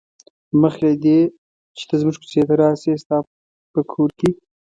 مخکې له دې چې ته زموږ کوڅې ته راشې ستا په کور کې.